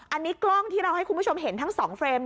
อันนี้กล้องที่เราให้คุณผู้ชมเห็นทั้ง๒เฟรม